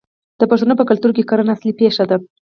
د پښتنو په کلتور کې کرنه اصلي پیشه ده.